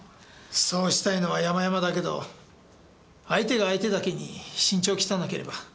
そうしたいのは山々だけど相手が相手だけに慎重を期さなければ。